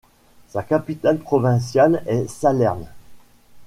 Sa capitale provinciale est Salerne.